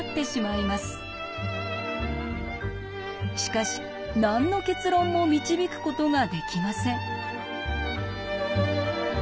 しかし何の結論も導くことができません。